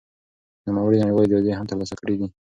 نوموړي نړيوالې جايزې هم ترلاسه کړې دي.